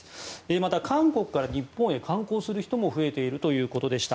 また、韓国から日本に観光する人も増えているということでした。